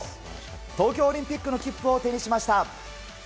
東京オリンピックの切符を手にしました。